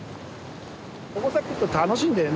ここさ来ると楽しいんだよね。